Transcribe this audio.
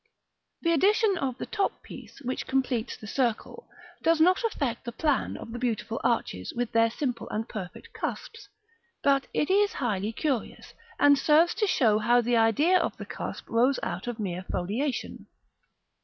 The addition of the top piece, which completes the circle, does not affect the plan of the beautiful arches, with their simple and perfect cusps; but it is highly curious, and serves to show how the idea of the cusp rose out of mere foliation.